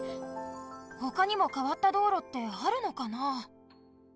ほかにもかわった道路ってあるのかな？